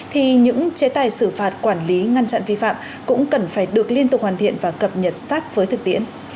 thì những chế tài xử phạt quản lý ngăn chặn vi phạm cũng cần phải được liên tục hoàn thiện và cập nhật sát với thực tiễn